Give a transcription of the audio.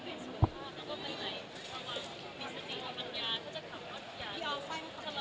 มีสติธรรมยาเขาจะถามว่า